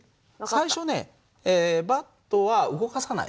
最初ねバットは動かさないでね。